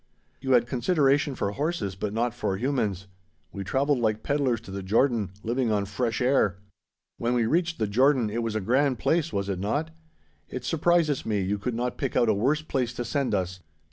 You had consideration for horses, but not for humans. We travelled like pedlars to the Jordan, living on fresh air. When we reached the Jordan, it was a grand place, was it not? It surprises me you could not pick out a worse place to send us.